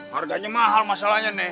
harganya mahal masalahnya nih